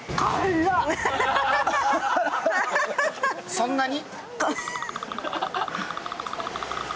そんなに？